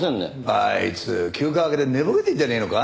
あいつ休暇明けで寝ぼけてんじゃねえのか？